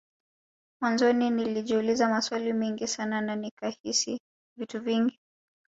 Mwanzoni nilijiuliza maswali mengi sana na nikahisi vitu vingi